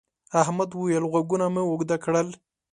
احمد وويل: غوږونه مې اوږده کړل.